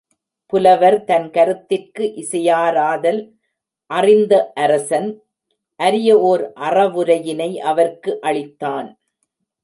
புலவர், தன் கருத்திற்கு இசையாராதல் அறிந்த அரசன், அரிய ஒர் அறவுரையினை அவர்க்கு அளித்தான்.